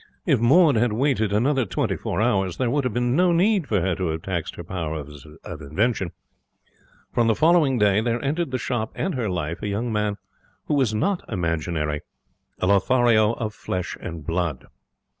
If Maud had waited another twenty four hours there would have been no need for her to have taxed her powers of invention, for on the following day there entered the shop and her life a young man who was not imaginary a Lothario of flesh and blood.